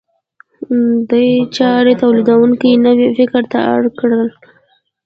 دې چارې تولیدونکي نوي فکر ته اړ کړل.